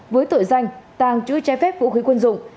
với tội danh tàng chữ trái phép vũ khí quân dụng